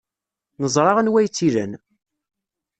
Neẓra anwa ay tt-ilan.